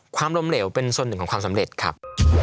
ความล้มเหลวเป็นส่วนหนึ่งของความสำเร็จครับ